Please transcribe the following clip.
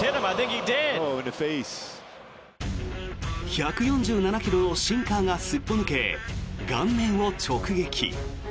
１４７ｋｍのシンカーがすっぽ抜け顔面を直撃。